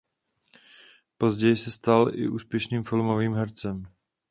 Později se stal i úspěšným filmovým hercem.